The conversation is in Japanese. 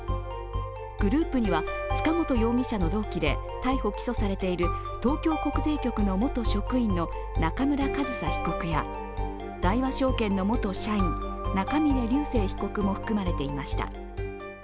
グループには、塚本容疑者の同期で逮捕・起訴されている東京国税局の元職員の中村上総被告や大和証券の元社員、中峯竜晟被告も含まれていました。